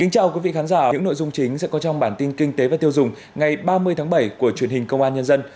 chào mừng quý vị đến với bản tin kinh tế và tiêu dùng ngày ba mươi tháng bảy của truyền hình công an nhân dân